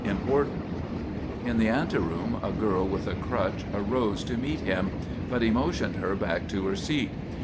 Important." In the ante room a girl with a crutch arose to meet him, but he motioned her back to her seat.